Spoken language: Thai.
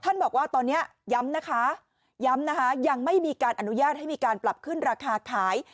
บอกว่าตอนนี้ย้ำนะคะย้ำนะคะยังไม่มีการอนุญาตให้มีการปรับขึ้นราคาขาย